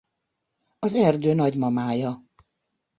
Az erdő nagymamája.